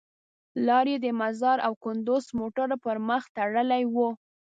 لار یې د مزار او کندوز موټرو پر مخ تړلې وه.